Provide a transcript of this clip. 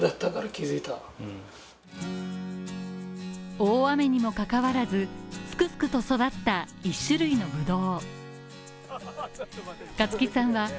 大雨にも関わらず、すくすくと育った１種類のブドウ。